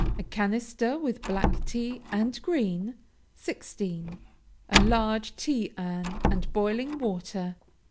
A canister with black tea and green. 16. A large tea urn and boiling water.